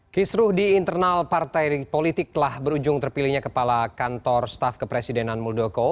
kisruh di internal partai politik telah berujung terpilihnya kepala kantor staf kepresidenan muldoko